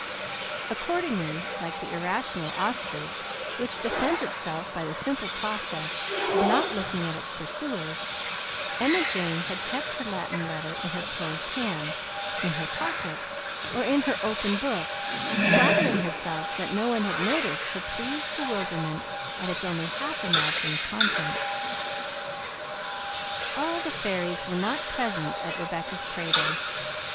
Accordingly, like the irrational ostrich, which defends itself by the simple process of not looking at its pursuers, Emma Jane had kept her Latin letter in her closed hand, in her pocket, or in her open book, flattering herself that no one had noticed her pleased bewilderment at its only half imagined contents. All the fairies were not present at Rebecca's cradle.